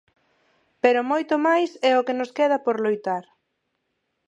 Pero moito máis é o que nos queda por loitar.